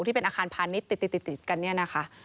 ที่เป็นอาคารพาณิชย์ติดกันเนี่ยนะคะ